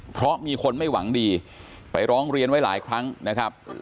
เพราะมีคนไม่หวังดีไปร้องเรียนไว้หลายครั้งนะครับ